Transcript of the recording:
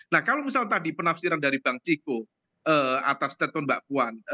nah kalau misalnya tadi penafsiran dari bang ciko atas statement mbak puan